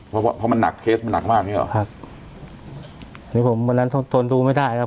เพราะเพราะมันหนักเคสมันหนักมากอย่างงีหรอครับนี่ผมวันนั้นต้องทนดูไม่ได้ครับ